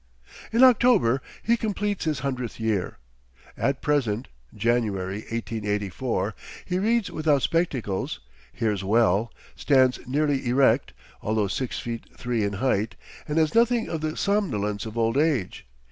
In October he completes his hundredth year. At present (January, 1884), he reads without spectacles, hears well, stands nearly erect, although six feet three in height, and has nothing of the somnolence of old age.